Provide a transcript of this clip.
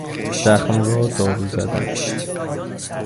زخم را دارو زدن